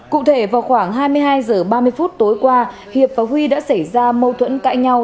cụ thể vào khoảng hai mươi hai h ba mươi phút tối qua hiệp và huy đã xảy ra mâu thuẫn cãi nhau